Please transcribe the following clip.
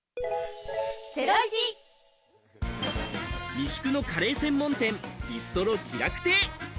三宿のカレー専門店・ビストロ喜楽亭。